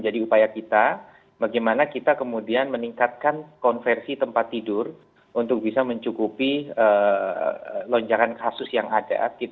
jadi upaya kita bagaimana kita kemudian meningkatkan konversi tempat tidur untuk bisa mencukupi lonjakan kasus yang ada